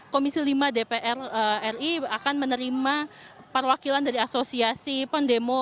komisi lima dpr ri akan menerima perwakilan dari asosiasi pendemo